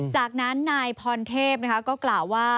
จากนั้นนายพรเทพก็กล่าวว่า